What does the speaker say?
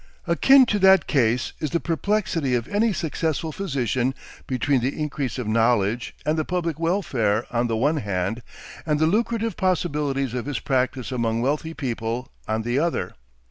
Akin to that case is the perplexity of any successful physician between the increase of knowledge and the public welfare on the one hand, and the lucrative possibilities of his practice among wealthy people on the other.